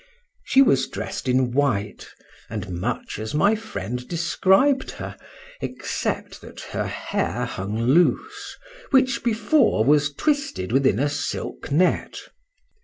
She was dress'd in white, and much as my friend described her, except that her hair hung loose, which before was twisted within a silk net.